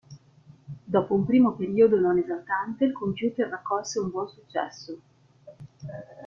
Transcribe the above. Dopo un primo periodo non esaltante, il computer raccolse un buon successo.